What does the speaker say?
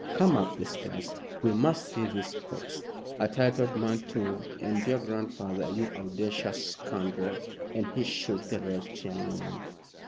"Come up the stairs, we must see this corpse. A titled man, too, and your grandfather you audacious scoundrel!" and he shook the wretched young man.